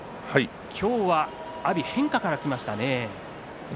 今日は阿炎、変化からきましたね。